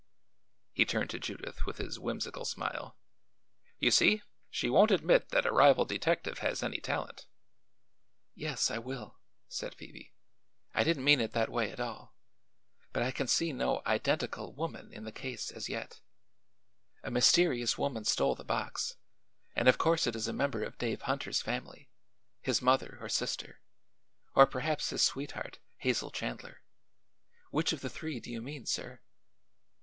He turned to Judith with his whimsical smile. "You see, she won't admit that a rival detective has any talent." "Yes, I will," said Phoebe. "I didn't mean it that way at all. But I can see no 'identical' woman in the case, as yet. A mysterious woman stole the box, and of course it is a member of Dave Hunter's family his mother or sister or perhaps his sweetheart, Hazel Chandler. Which of the three do you mean, sir?"